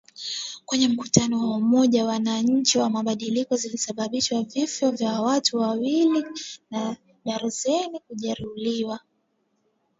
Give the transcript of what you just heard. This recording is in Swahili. Kwenye mkutano wa Umoja wa Wananchi wa Mabadiliko zilisababisha vifo vya watu wawili na darzeni kujeruhiwa.